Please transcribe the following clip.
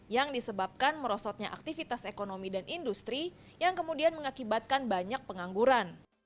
yang disebabkan merosotnya aktivitas ekonomi dan industri yang kemudian mengakibatkan banyak pengangguran